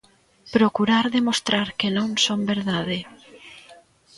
Procurar demostrar que non son verdade.